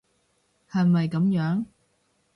係咪噉樣？